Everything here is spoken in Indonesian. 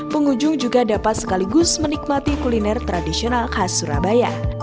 pengunjung juga dapat sekaligus menikmati kuliner tradisional khas surabaya